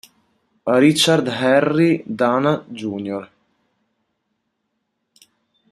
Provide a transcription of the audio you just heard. Richard Henry Dana Jr.